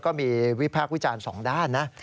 ก็มีวิพากษ์วิจารณ์สองด้านนะ